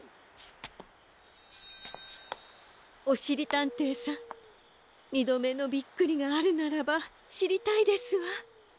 おしりたんていさんにどめのびっくりがあるならばしりたいですわ。